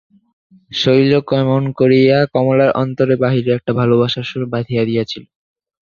শৈল কেমন করিয়া কমলার অন্তরে-বাহিরে একটা ভালোবাসার সুর বাঁধিয়া দিয়াছিল।